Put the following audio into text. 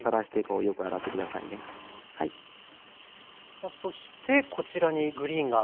さあそしてこちらにグリーンが。